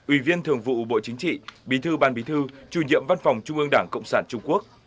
ủy viên thường vụ bộ chính trị bí thư ban bí thư chủ nhiệm văn phòng trung ương đảng cộng sản trung quốc